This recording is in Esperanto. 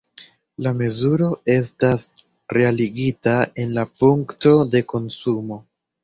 La mezuro estas realigita en la punkto de konsumo.